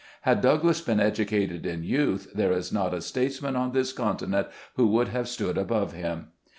Had Douglass been educated in youth, there is not a statesman on this continent who would have stood above him.